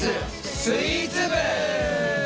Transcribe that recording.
スイーツ部！